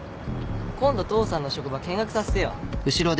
今度父さんの職場見学させてよ。